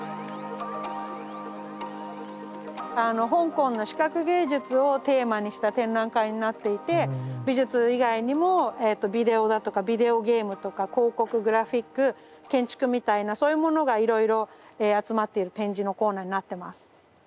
香港の視覚芸術をテーマにした展覧会になっていて美術以外にもビデオだとかビデオゲームとか広告グラフィック建築みたいなそういうものがいろいろ集まっている展示のコーナーになってます。